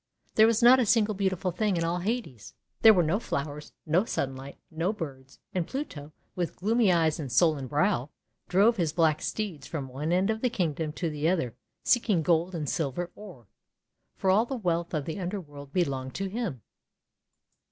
There was not a single beautiful thing in all Hades. There were no flowers, no sunlight, no birds; and Pluto, with gloomy eyes and sullen brow, drove his black steeds from one end of the Kingdom to the other seeking gold and silver ore; for all the wealth of the underworld belonged to him.